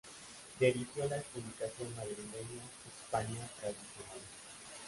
Dirigió la publicación madrileña "España Tradicionalista".